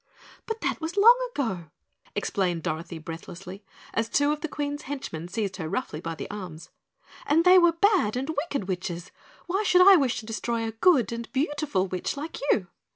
"But that was long ago," explained Dorothy breathlessly as two of the Queen's henchmen seized her roughly by the arms. "And they were bad and wicked witches. Why should I wish to destroy a good and beautiful witch like you?"